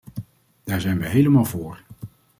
Daar zijn wij helemaal voor.